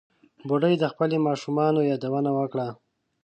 بوډۍ د خپلو ماشومانو یادونه وکړه.